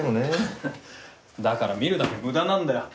ハハだから見るだけむだなんだよ。